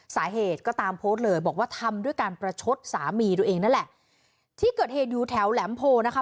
สาเหตุก็ตามโพสต์เลยบอกว่าทำด้วยการประชดสามีตัวเองนั่นแหละที่เกิดเหตุอยู่แถวแหลมโพนะคะ